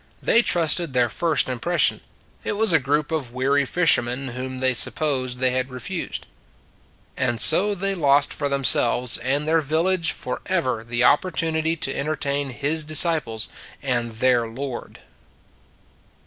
They trusted their first impres sion; it was a group of weary fishermen whom they supposed they had refused. And so they lost for themselves and their village forever the opportunity to en tertain His disciples and their Lord.